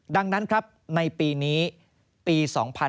ดังนั้นครับในปีนี้ปี๒๕๕๙